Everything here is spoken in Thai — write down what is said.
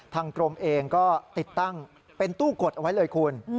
ทางกรมเองก็ติดตั้งเป็นตู้กดเอาไว้เลยคุณ